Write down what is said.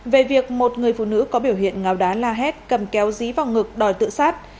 về việc một người phụ nữ có biểu hiện ngáo đá la hét cầm kéo dí vào ngực đòi tự sát